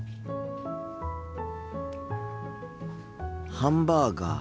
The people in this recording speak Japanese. ハンバーガー。